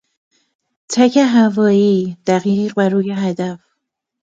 تک هوایی دقیق و روی هدف